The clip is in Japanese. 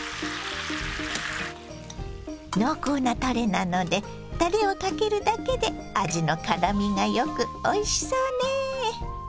濃厚なたれなのでたれをかけるだけで味のからみが良くおいしそうね。